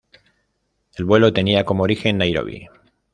El vuelo tenía como origen Nairobi.